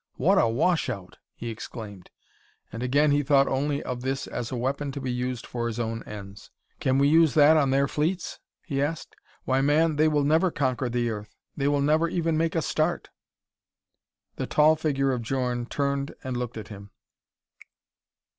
"What a washout!" he exclaimed, and again he thought only of this as a weapon to be used for his own ends. "Can we use that on their fleets?" he asked. "Why, man they will never conquer the earth; they will never even make a start." The tall figure of Djorn turned and looked at him.